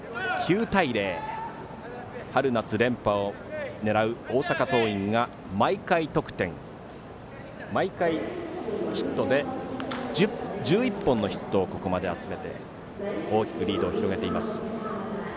９対０、春夏連覇を狙う大阪桐蔭が毎回得点毎回ヒットで１１本のヒットをここまで集めて大きくリードを広げています。